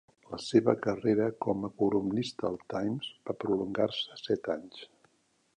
La seva carrera com a columnista al "Times" va prolongar-se set anys.